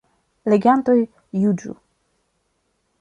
Legantoj juĝu.